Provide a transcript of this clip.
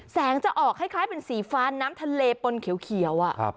จะออกคล้ายเป็นสีฟ้าน้ำทะเลปนเขียว